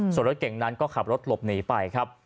ส่วนรถเก่งนั้นก็ขับรถหลบหนีไปครับ